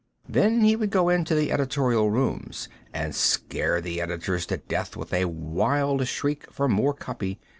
Then he would go into the editorial rooms and scare the editors to death with a wild shriek for more copy.